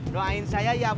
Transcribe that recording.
doain saya ya pur